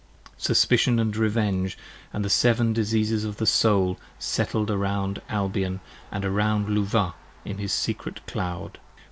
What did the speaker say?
Suspition & revenge, & the seven diseases of the Soul Settled around Albion and around Luvah in his secret cloud.